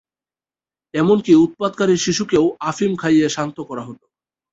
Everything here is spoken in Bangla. এমনকি উৎপাতকারী শিশুকেও আফিম খাইয়ে শান্ত করা হতো।